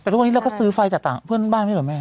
แต่วันนี้เราก็ซื้อไฟจากเพื่อนบ้านไม่เหลือแม่